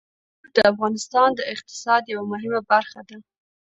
انګور د افغانستان د اقتصاد یوه مهمه برخه ده.